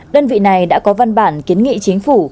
đơn vị này đã có văn bản kiến nghị chính phủ